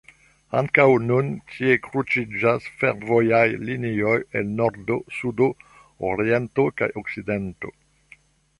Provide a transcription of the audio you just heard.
Ankaŭ nun tie kruciĝas fervojaj linioj el nordo, sudo, oriento kaj okcidento.